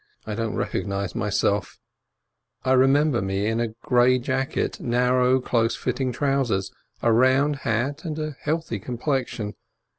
I don't recognize myself; I remember me in a grey jacket, narrow, close fitting trousers, a round hat, and a healthy complexion.